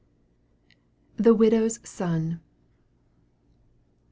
THE WIDOW'S SON.